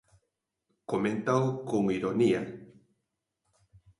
Coméntao con ironía.